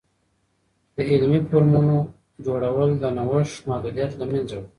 د علمي فورمونو جوړول، د نوښت محدودیت له منځه وړي.